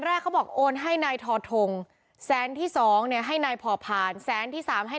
แรกเขาบอกโอนให้นายทอทงแสนที่สองเนี่ยให้นายพอพานแสนที่สามให้